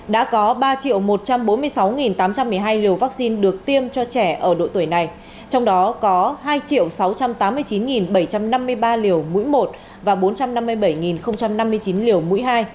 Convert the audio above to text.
đã có ba một trăm bốn mươi sáu tám trăm một mươi hai liều vaccine được tiêm cho trẻ ở độ tuổi này trong đó có hai sáu trăm tám mươi chín bảy trăm năm mươi ba liều mũi một và bốn trăm năm mươi bảy năm mươi chín liều mũi hai